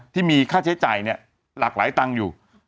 ที่มีค่าใช้จ่ายหลากหลายตังค์อยู่